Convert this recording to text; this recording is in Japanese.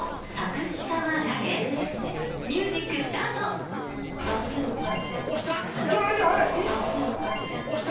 ［ミュージックスタート］押した！